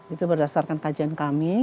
itu berdasarkan kajian kami